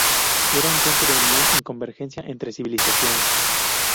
Era un punto de unión y convergencia entre civilizaciones.